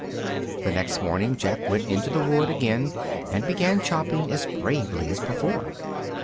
The next morning Jack went to the wood again, and began chopping as bravely as before.